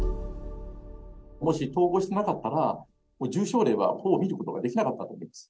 もし統合してなかったら、重症例はほぼ診ることができなかったと思います。